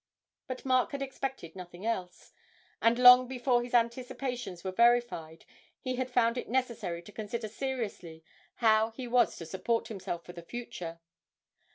But Mark had expected nothing else, and long before his anticipations were verified he had found it necessary to consider seriously how he was to support himself for the future.